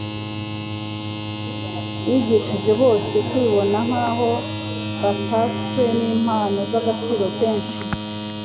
Yigishije bose kwibona nk'aho batatswe n'impano z'agaciro kenshi,